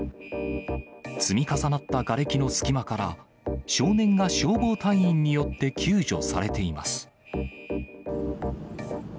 積み重なったがれきの隙間から、少年が消防隊員によって救助されています。